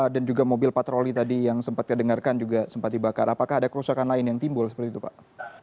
dan juga mobil patroli tadi yang sempat terdengarkan juga sempat dibakar apakah ada kerusakan lain yang timbul seperti itu pak